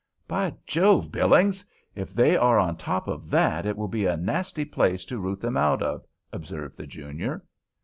"By Jove, Billings! if they are on top of that it will be a nasty place to rout them out of," observed the junior.